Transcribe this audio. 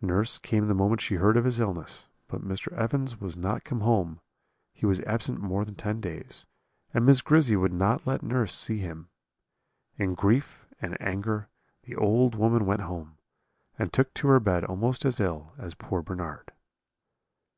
"Nurse came the moment she heard of his illness; but Mr. Evans was not come home, he was absent more than ten days, and Miss Grizzy would not let nurse see him. In grief and anger the old woman went home, and took to her bed almost as ill as poor Bernard.